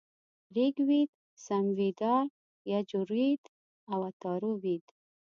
ریګ وید، سمویدا، یجوروید او اتارو وید -